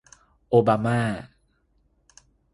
โอบาม่า